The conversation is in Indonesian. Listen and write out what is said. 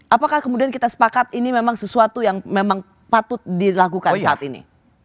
apakah kemudian kita sepakat ini memang sesuatu yang memang patut dilakukan saat ini